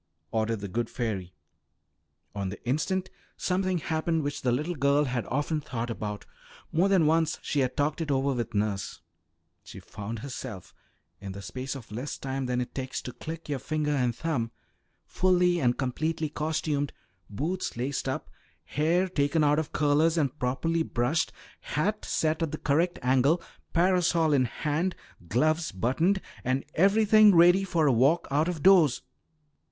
ordered the good fairy. On the instant something happened which the little girl had often thought about; more than once she had talked it over with nurse. She found herself, in the space of less time than it takes to click your finger and thumb, fully and completely costumed, boots laced up, hair taken out of curlers and properly brushed, hat set at the correct angle, parasol in hand, gloves buttoned, and everything ready for a walk out of doors.